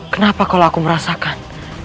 kenapa kalau aku merasakan